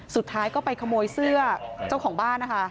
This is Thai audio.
สุดท้ายก็ไปขโมยเสื้อเจ้าของบ้านนะคะ